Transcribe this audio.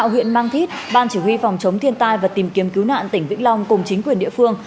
huyện mang thít ban chỉ huy phòng chống thiên tai và tìm kiếm cứu nạn tỉnh vĩnh long cùng chính quyền địa phương